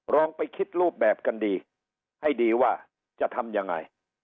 ลองไปคิดรูปแบบกันดีให้ดีว่าจะทำยังไง